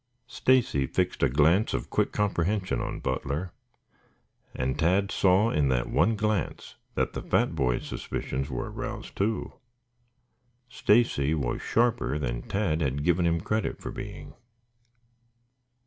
Stacy fixed a glance of quick comprehension on Butler, and Tad saw in that one glance that the fat boy's suspicions were aroused, too. Stacy was sharper than Tad had given him credit for being.